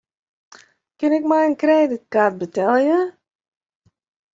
Kin ik mei in kredytkaart betelje?